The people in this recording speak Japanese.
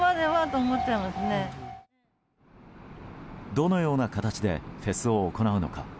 どのような形でフェスを行うのか。